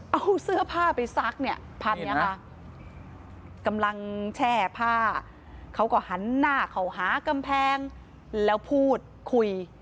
เอาเสื้อผ้าไปซักเนี่ยภาพนี้ค่ะกำลังแช่ผ้าเขาก็หันหน้าเขาหากำแพงแล้วพูดคุย